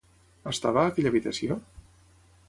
Estava a aquella habitació?